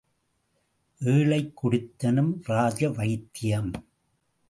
ஏழைக் குடித்தனம், ராஜவைத்தியம்.